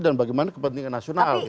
dan bagaimana kepentingan nasional